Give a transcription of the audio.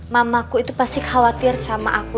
mama aku itu pasti khawatir sama aku